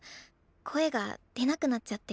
声が出なくなっちゃって。